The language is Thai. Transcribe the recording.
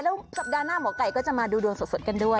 แล้วสัปดาห์หน้าหมอไก่ก็จะมาดูดวงสดกันด้วย